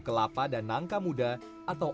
kelapa dan nangka muda atau